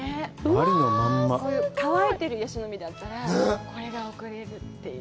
乾いてるヤシの実だったらこれが送れるという。